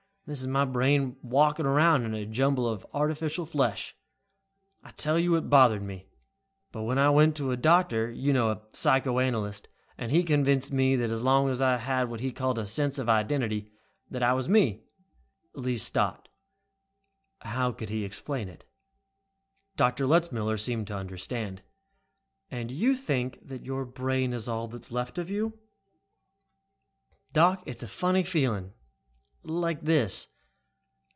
This is my brain walking around in a jumble of artificial flesh.' I tell you it bothered me. But I went to a doctor, you know, a psychoanalyst, and he convinced me that as long as I had what he called a 'sense of identity', that I was me." Lee stopped. How could he explain it? But Letzmiller seemed to understand. "And you think that your brain is all that is left of 'you'?" "Doc, it's a funny feeling. Like this."